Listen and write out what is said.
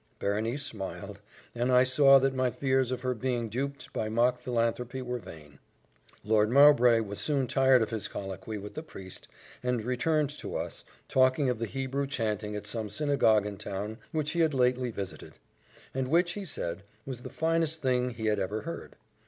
Berenice smiled; and I saw that my fears of her being duped by mock philanthropy were vain. Lord Mowbray was soon tired of his colloquy with the priest, and returned to us, talking of the Hebrew chanting at some synagogue in town which he had lately visited; and which, he said, was the finest thing he had ever heard.